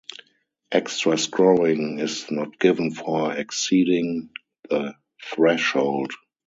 Extra scoring is not given for exceeding the threshold.